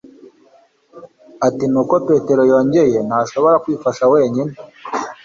ati ni uko petero yongeye, ntashobora kwifasha wenyine